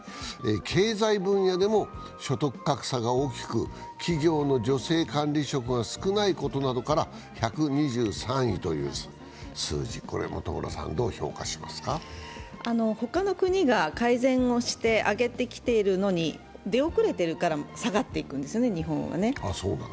経済分野でも所得格差が大きく、企業の女性管理職が少ないことなどから１２３位という数字、他の国が改善をして上げてきているのに出遅れているから下がっていくんですよね、日本が。